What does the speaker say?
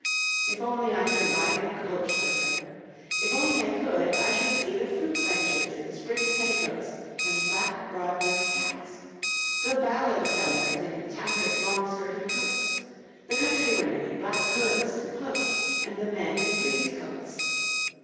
If only I could ride in the coach with her! If only I could I should see the fruit wenches in sprigged petticoats and flat, broad brimmed hats; the ballad sellers in tattered long skirted coats; the country women in black hoods and cloaks, and the men in frieze coats.